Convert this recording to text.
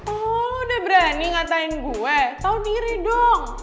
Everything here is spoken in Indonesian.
oh lu udah berani ngatain gua tau diri dong